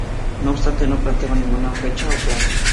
No obstante, no planteaba ninguna fecha o plan.